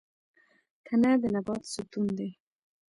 تنه د نبات ستون دی